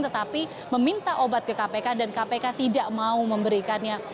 tetapi meminta obat ke kpk dan kpk tidak mau memberikannya